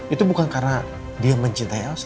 itu bukan karena dia mencintai eles